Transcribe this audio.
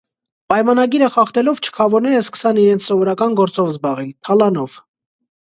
Պայմանագիրը խախտելով՝ չքաւորները սկսան իրենց սովորական գործով զբաղիլ՝ թալանով։